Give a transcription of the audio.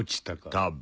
多分。